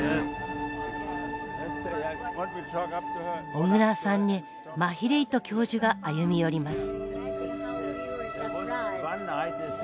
小倉さんにマヒレイト教授が歩み寄ります。